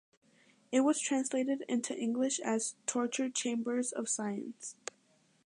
It was translated into English as "Torture Chambers of Science".